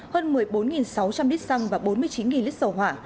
hơn một mươi bốn sáu trăm linh lít xăng và bốn mươi chín lít dầu hỏa